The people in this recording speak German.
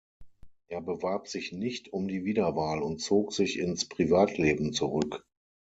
Er bewarb sich nicht um die Wiederwahl und zog sich ins Privatleben zurück.